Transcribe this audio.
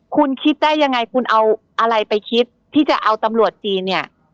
คุณคิดได้ยังไงคุณเอาอะไรไปคิดที่จะเอาตำรวจจีนเนี่ย